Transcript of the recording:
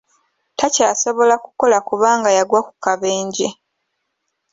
Takyasobola kukola kubanga yagwa ku kabenje.